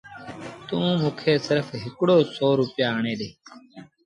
توݩ موݩ کي سرڦ هڪڙو سو روپيآ آڻي ڏي